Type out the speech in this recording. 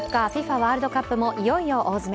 ワールドカップもいよいよ大詰め。